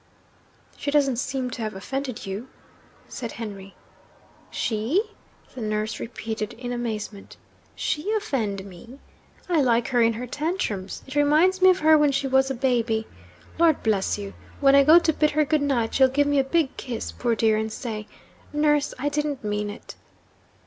'She doesn't seem to have offended you,' said Henry. 'She?' the nurse repeated in amazement 'she offend me? I like her in her tantrums; it reminds me of her when she was a baby. Lord bless you! when I go to bid her good night, she'll give me a big kiss, poor dear and say, Nurse, I didn't mean it!